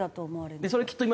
それはきっと今。